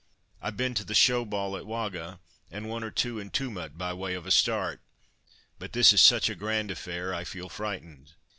I've been to the Show Ball at Wagga, and one or two in Tumut, by way of a start. But this is such a grand affair; I feel frightened."